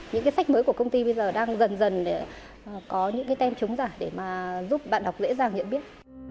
những cái sách mới của công ty bây giờ đang dần dần để có những cái tem chống giả để mà giúp bạn đọc dễ dàng nhận biết